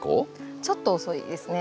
ちょっと遅いですね。